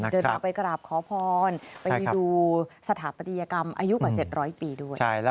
เดินทางไปกราบขอพรไปดูสถาปัตยกรรมอายุกว่า๗๐๐ปีด้วย